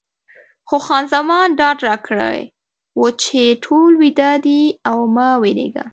خو خان زمان ډاډ راکړی و چې ټول ویده دي او مه وېرېږه.